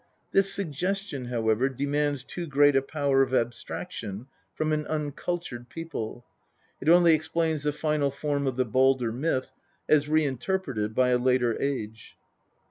This suggestion, however, demands too great a power of abstraction from an uncultured people ; it only explains the final form of the Baldr myth as reinterpreted by a later age.